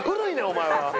お前は。